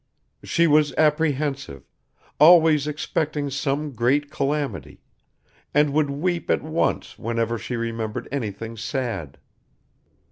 She was apprehensive, always expecting some great calamity, and would weep at once whenever she remembered anything sad